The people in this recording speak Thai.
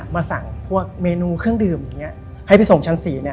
มาสั่งพวกเมนูเครื่องดื่มอย่างนี้ให้ไปส่งชั้น๔เนี่ย